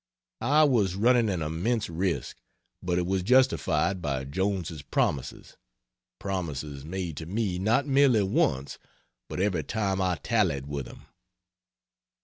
I was running an immense risk, but it was justified by Jones's promises promises made to me not merely once but every time I tallied with him.